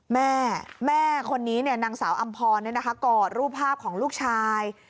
แม่แม่คนนี้เนี่ยนางสาวอัมพรเนี่ยนะคะกอดรูปภาพของลูกชาย